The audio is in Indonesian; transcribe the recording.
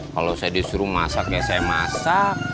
kalau saya disuruh masak ya saya masak